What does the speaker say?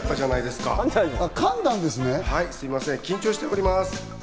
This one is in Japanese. すみません、緊張しております！